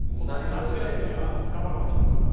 夏休みはガバガバ人来るな。